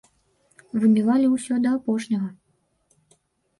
Выбівалі ўсе да апошняга.